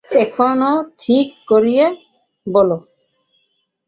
এখনো ঠিক করিয়া বলো।